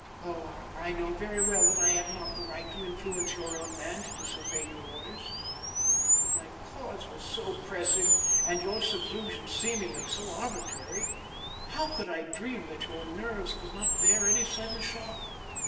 Oh, I know very well that I had not the right to influence your own man to disobey your orders. But my cause was so pressing and your seclusion seemingly so arbitrary. How could I dream that your nerves could not bear any sudden shock?